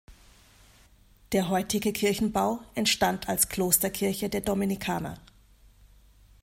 Der heutige Kirchenbau entstand als Klosterkirche der Dominikaner.